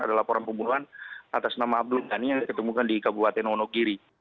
ada laporan pembunuhan atas nama abdul ghani yang diketemukan di kabupaten wonogiri